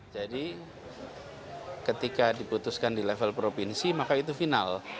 jadi ketika diputuskan di level provinsi maka itu final